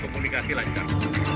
dan komunikasi langgar